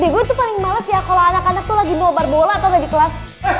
gue tuh paling males ya kalo anak anak tuh lagi nobar bola atau ada di kelas